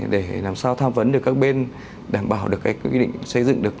để làm sao tham vấn được các bên đảm bảo được cái quy định xây dựng được